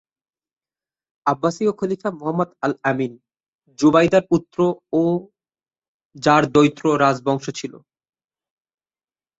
আব্বাসীয় খলিফা Muhammad al Amin, জুবাইদার পুত্র ও যার দ্বৈত রাজ বংশ ছিল।